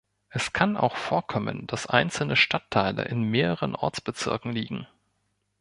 Es kann auch vorkommen, dass einzelne Stadtteile in mehreren Ortsbezirken liegen.